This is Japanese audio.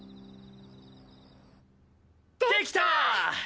できた！